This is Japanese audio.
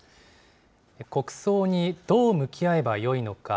国葬にどう向き合えばよいのか。